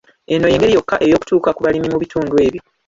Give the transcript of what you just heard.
Eno y'engeri yokka ey'okutuuka ku balimi mu bitundu ebyo.